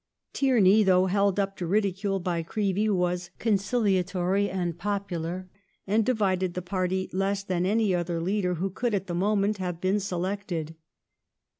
^ Tierney, though held up to ridicule by Creevey, was conciliatory and popular, and divided the party less than any other leader w^ho could, at the moment, have been selected.